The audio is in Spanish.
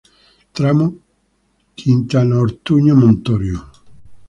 Tramo: Quintanaortuño-Montorio.